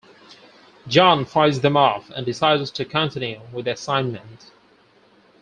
Jon fights them off and decides to continue with the assignment.